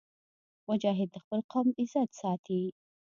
مجاهد د خپل قوم عزت ساتي.